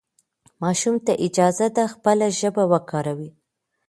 ماشوم ته اجازه ده خپله ژبه وکاروي.